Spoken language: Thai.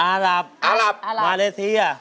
อารับมาเลเซียอารับ